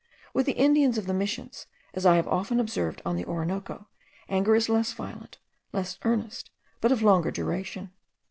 With the Indians of the Missions, as I have often observed on the Orinoco, anger is less violent, less earnest, but of longer duration.